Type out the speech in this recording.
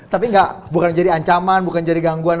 tapi bukan jadi ancaman bukan jadi gangguan